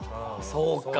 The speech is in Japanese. そうか。